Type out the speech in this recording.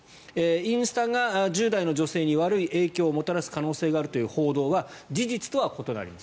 インスタが１０代の女性に悪い影響をもたらす可能性があるという報道は事実とは異なります。